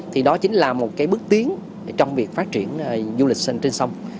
thì đó chính là một cái bước tiến trong việc phát triển du lịch xanh trên sông